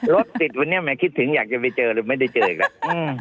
รถติดวันนี้แม้คิดถึงอยากจะไปเจอหรือไม่ได้เจออีกแล้ว